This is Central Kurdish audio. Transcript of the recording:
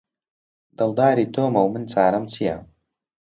دڵداری تۆمە و من چارەم چیە؟